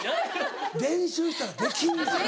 練習したらできんねん。